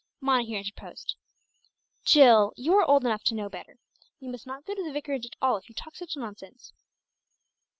Mona here interposed. "Jill, you are old enough to know better. You must not go to the vicarage at all, if you talk such nonsense."